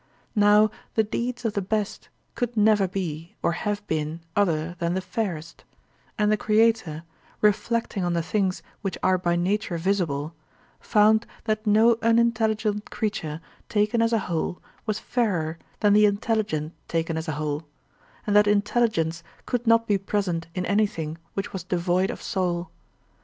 Now the deeds of the best could never be or have been other than the fairest; and the creator, reflecting on the things which are by nature visible, found that no unintelligent creature taken as a whole was fairer than the intelligent taken as a whole; and that intelligence could not be present in anything which was devoid of soul.